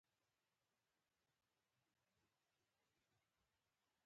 درې هندي الاصله هم په کابینه کې شته.